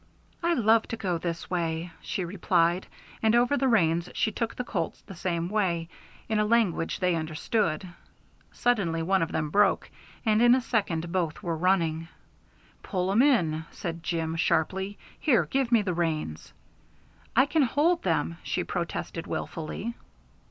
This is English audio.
"I love to go this way," she replied, and over the reins she told the colts the same thing, in a language they understood. Suddenly one of them broke, and in a second both were running. "Pull 'em in," said Jim, sharply. "Here give me the reins." "I can hold them," she protested wilfully.